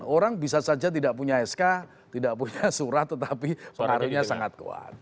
orang bisa saja tidak punya sk tidak punya surat tetapi pengaruhnya sangat kuat